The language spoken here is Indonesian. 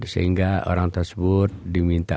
sehingga orang tersebut diminta